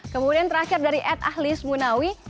kemudian terakhir dari ad ahli sbunawi